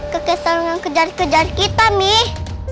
kt sarung yang kejar kejar kita mih